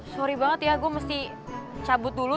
sorry banget ya gue mesti cabut dulu